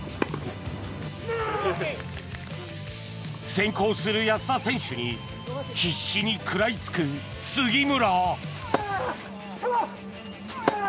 先行する安田選手に必死に食らいつく杉村。